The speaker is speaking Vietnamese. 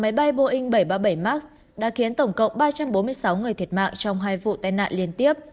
máy bay boeing bảy trăm ba mươi bảy max đã khiến tổng cộng ba trăm bốn mươi sáu người thiệt mạng trong hai vụ tai nạn liên tiếp